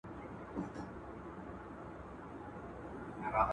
رسول الله د خپلو ميرمنو خوښۍ څنګه حاصلوله؟